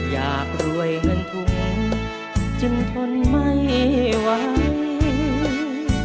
อยากรวยเงินทุนจึงทนไม่ไหว